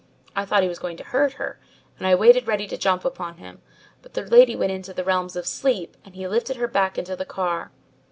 I thought he was going to hurt her and I waited ready to jump upon him, but the lady went into the realms of sleep and he lifted her back into the car.